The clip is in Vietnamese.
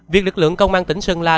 việc lực lượng công an tỉnh sơn la